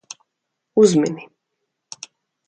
Uzmini.